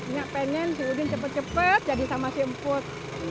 nyak pengen si udin cepet cepet jadi sama si emput